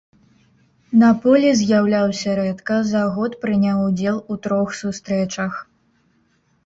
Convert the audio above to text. На полі з'яўляўся рэдка, за год прыняў удзел у трох сустрэчах.